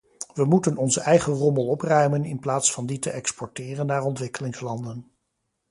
We moeten onze eigen rommel opruimen in plaats van die te exporteren naar ontwikkelingslanden.